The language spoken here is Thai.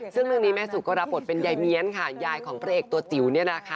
ซึ่งเรื่องนี้แม่สุก็รับบทเป็นยายเมียนค่ะยายของพระเอกตัวจิ๋วเนี่ยนะคะ